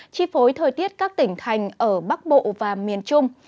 chi phối thời tiết các tỉnh thành ở bắc bộ và miền trung